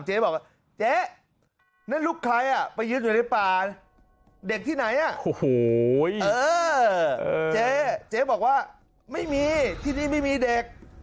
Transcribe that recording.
เจ๊บอกว่าเจ๊นั่นลูกใครไปยืนอยู่ในป่าเด็กที่ไหนเจ๊เจ๊บอกว่าไม่มีที่นี่ไม่มีเด็ก